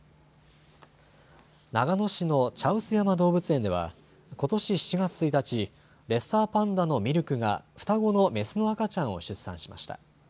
長野市の茶臼山動物園では、ことし７月１日、レッサーパンダのミルクが双子の雌の赤ちゃんを出産しました。